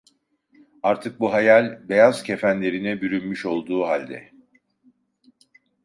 Artık bu hayal, beyaz kefenlerine bürünmüş olduğu halde.